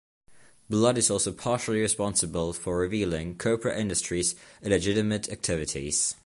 Bludd is also partially responsible for revealing Cobra Industries illegitimate activities.